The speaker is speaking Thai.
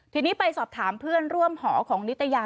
ทีนี้ไปสอบถามเพื่อนร่วมหอของนิตยา